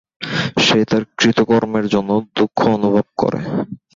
সে তার কৃতকর্মের জন্য দুঃখ অনুভব করে।